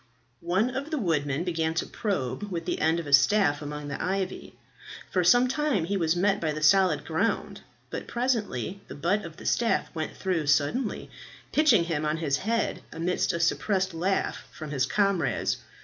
One of the woodmen began to probe with the end of a staff among the ivy. For some time he was met by the solid ground, but presently the butt of the staff went through suddenly, pitching him on his head, amidst a suppressed laugh from his comrades.